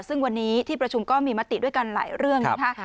ซึ่งวันนี้ที่ประชุมก็มีมติด้วยกันหลายเรื่องนะคะ